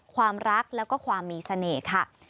ความรักแล้วก็ความมีเสน่ห์ค่ะ